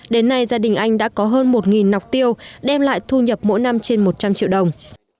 đến nay gia đình anh đã có hơn một nọc tiêu đem lại thu nhập mỗi năm trên một trăm linh triệu đồng